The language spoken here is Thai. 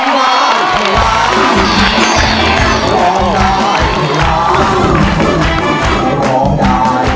ผู้ที่ร้องได้ให้ร้อง